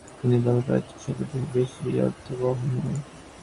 তিনি বলেন, 'প্রাচ্য' শব্দটা খুব বেশি অর্থবহ নয়।